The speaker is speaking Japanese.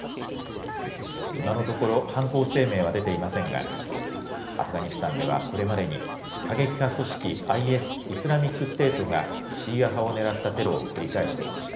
今のところ犯行声明は出ていませんがアフガニスタンでは、これまでに過激派組織ＩＳイスラミックステートがシーア派を狙ったテロを繰り返してきました。